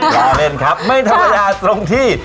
ล้อเล่นครับไม่ธรรมดาตรงที่